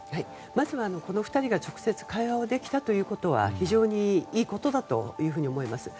まずこの２人が直接会話できたということは非常にいいことだというふうに思います。